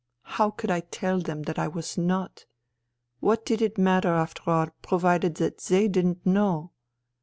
How could I tell them that I was not ? What did it matter after all, provided that they didn't know